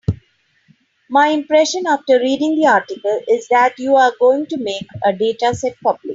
My impression after reading the article is that you are going to make the dataset public.